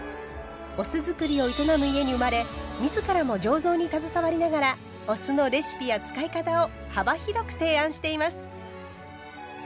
お酢造りを営む家に生まれ自らも醸造に携わりながらお酢のレシピや使い方を幅広く提案しています。